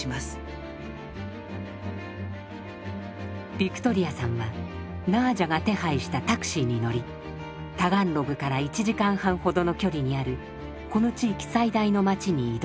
ビクトリアさんはナージャが手配したタクシーに乗りタガンログから１時間半ほどの距離にあるこの地域最大の町に移動。